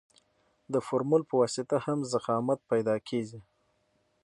د فورمول په واسطه هم ضخامت پیدا کیږي